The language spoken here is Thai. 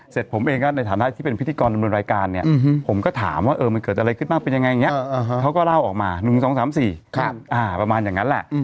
ผมเองก็ในฐานะที่เป็นพิธีกรดำเนินรายการเนี่ยผมก็ถามว่ามันเกิดอะไรขึ้นบ้างเป็นยังไงอย่างนี้เขาก็เล่าออกมา๑๒๓๔ประมาณอย่างนั้นแหละ